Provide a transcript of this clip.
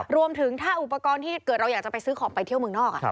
รวมถึงถ้าอุปกรณ์ที่เกิดเราอยากจะไปซื้อของไปเที่ยวเมืองนอก